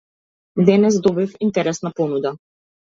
Денес добив интересна понуда.